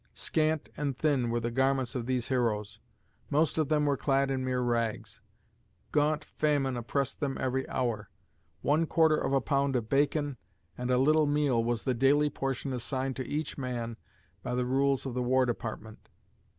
Scanty and thin were the garments of these heroes. Most of them were clad in mere rags. Gaunt famine oppressed them every hour. One quarter of a pound of bacon and a little meal was the daily portion assigned to each man by the rules of the War Department.